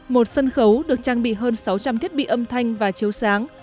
một sân khấu được trang bị hơn sáu trăm linh thiết bị âm thanh và chiếu sáng